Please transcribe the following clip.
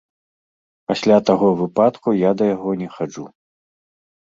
Пасля таго выпадку я да яго не хаджу.